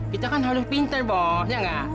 kita kan harus pintar ya nggak